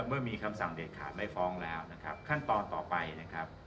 เมื่อมีคำสั่งเด็ดขาดไม่ฟ้องแล้วนะครับขั้นตอนต่อไปนะครับ